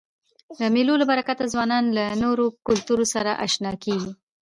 د مېلو له برکته ځوانان له نورو کلتورو سره اشنا کيږي.